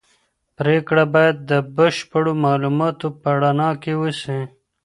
پرېکړه باید د بشپړو معلوماتو په رڼا کي وسي.